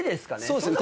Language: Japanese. そうですね。